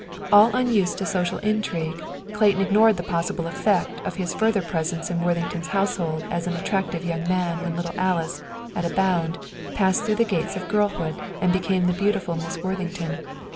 All unused to social intrigue, Clayton ignored the possible effect of his further presence in Worthington's household as an attractive young man when little Alice, at a bound, passed through the gates of girlhood and became the beautiful Miss Worthington.